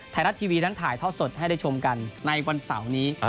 ไทยรัฐทีวีนั้นถ่ายทอดสดให้ได้ชมกันในวันเสาร์นี้